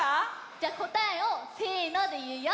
じゃこたえを「せの」でいうよ！